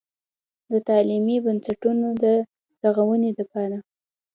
د تعليمي بنسټونو د رغونې دپاره